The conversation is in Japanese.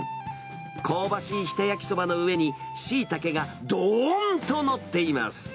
香ばしい日田やきそばの上に、シイタケがどーんと載っています。